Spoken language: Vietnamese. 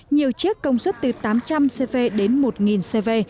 nhiều chiếc công suất từ tám trăm linh cv đến một cv